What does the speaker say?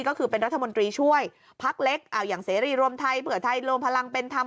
ก็คือเป็นรัฐมนตรีช่วยพักเล็กอย่างเสรีรวมไทยเผื่อไทยรวมพลังเป็นธรรม